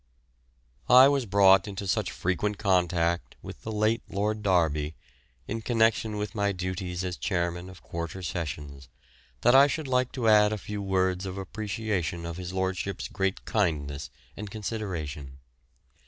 I was brought into such frequent contact with the late Lord Derby, in connection with my duties as chairman of Quarter Sessions, that I should like to add a few words of appreciation of his lordship's great kindness and consideration.